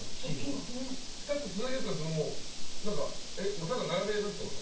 ２つつなげるってただ並べるってこと？